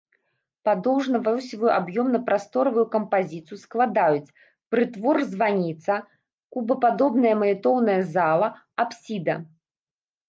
Падоўжна-восевую аб'ёмна-прасторавую кампазіцыю складаюць прытвор-званіца, кубападобная малітоўная зала, апсіда.